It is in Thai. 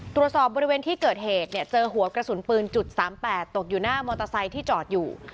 ตรวจสอบบริเวณที่เกิดเหตุเนี่ยเจอหัวกระสุนปืน๓๘ตกอยู่หน้ามอเตอร์ไซค์ที่จอดอยู่